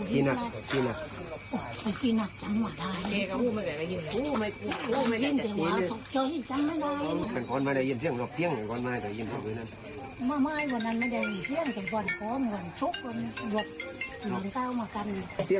อย่างชกลงหมั่งก้าวมากันนี่